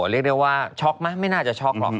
เรียกได้ว่าช็อกไหมไม่น่าจะช็อกหรอก